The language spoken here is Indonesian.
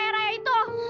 kayak raya itu